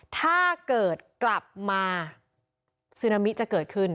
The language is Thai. ถ้าเกิดกลับมาซึนามิจะเกิดขึ้น